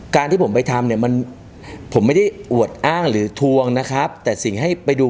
ที่ผมไปทำเนี่ยมันผมไม่ได้อวดอ้างหรือทวงนะครับแต่สิ่งให้ไปดู